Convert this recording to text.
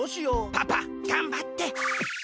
パパがんばって！